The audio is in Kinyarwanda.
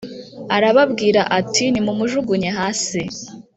Arababwira ati Nimumujugunye hasi